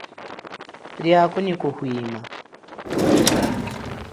Liako nyi kuhwima.